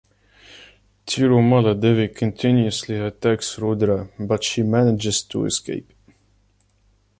Tirumala devi continuously attacks Rudra but she manages to escape.